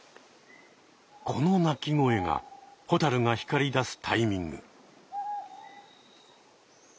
この鳴き声がホタルが光りだすタイミング。